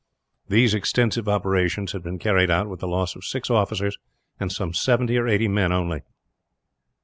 These extensive operations had been carried out with the loss of six officers, and some seventy or eighty men, only.